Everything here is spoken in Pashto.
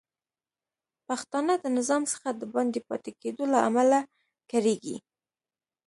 پښتانه د نظام څخه د باندې پاتې کیدو له امله کړیږي